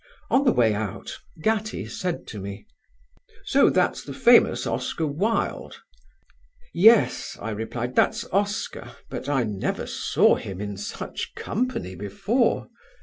On the way out Gattie said to me: "So that's the famous Oscar Wilde." "Yes," I replied, "that's Oscar, but I never saw him in such company before."